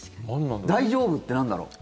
大丈夫ってなんだろう。